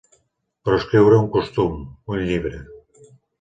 Proscriure un costum, un llibre.